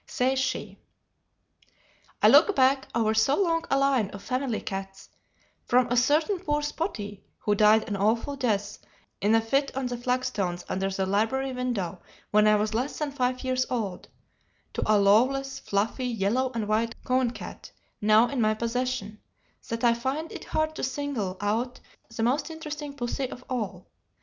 Says she: "I look back over so long a line of family cats, from a certain poor Spotty who died an awful death in a fit on the flagstones under the library window when I was less than five years old, to a lawless, fluffy, yellow and white coon cat now in my possession, that I find it hard to single out the most interesting pussy of all.